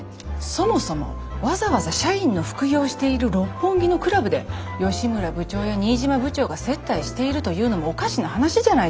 そもそもわざわざ社員の副業している六本木のクラブで吉村部長や新島部長が接待しているというのもおかしな話じゃないですか。